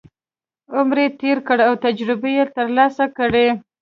عمر یې تېر کړی او تجربې یې ترلاسه کړي.